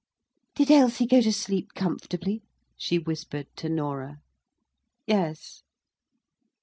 "Did Ailsie go to sleep comfortably?" she whispered to Norah. "Yes."